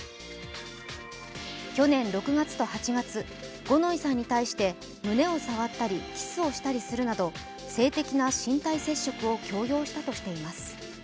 去年６月と８月、五ノ井さんに対して胸を触ったりキスをしたりするなど性的な身体接触を強要したとしています。